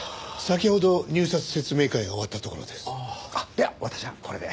では私はこれで。